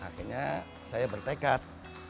akhirnya saya bertekad